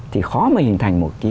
thì khó mà hình thành một cái